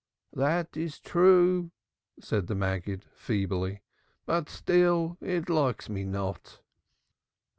"That is true," said the Maggid feebly. "But still it likes me not."